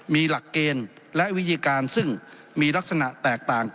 มีหลักเกณฑ์และวิธีการซึ่งมีลักษณะแตกต่าง